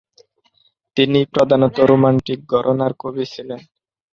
তিনি প্রধানত রোমান্টিক ঘরানার কবি ছিলেন।